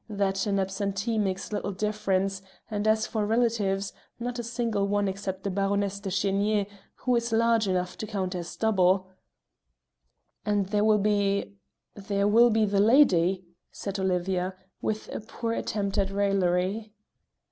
that an absentee makes little difference, and as for relatives, not a single one except the Baroness de Chenier, who is large enough to count as double." "And there will be there will be the lady," said Olivia, with a poor attempt at raillery.